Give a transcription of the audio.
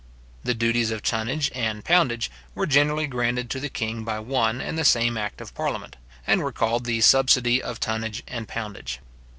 The duties of tonnage and poundage were generally granted to the king by one and the same act of parliament, and were called the subsidy of tonnage and poundage.